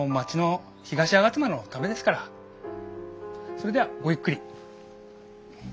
それではごゆっくり。